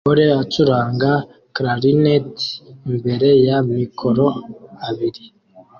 Umugore acuranga Clarinet imbere ya mikoro abiri